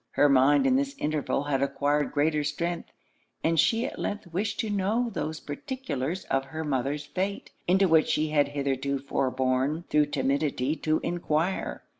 Her mind in this interval had acquired greater strength; and she at length wished to know those particulars of her mother's fate, into which she had hitherto forborne thro' timidity to enquire.